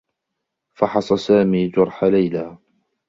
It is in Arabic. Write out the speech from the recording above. فحص سامي جرح ليلى.